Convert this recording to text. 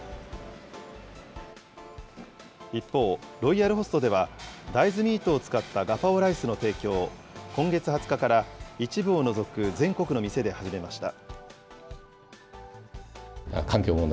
一方、ロイヤルホストでは大豆ミートを使ったガパオライスの提供を、今月２０日から一部を除く全国の店で始めました。